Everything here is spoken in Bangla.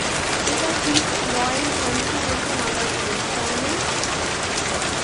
এটা ঠিক, লয়েন্ড হ্যানসেন একটা মাদারচোদ, তাই না?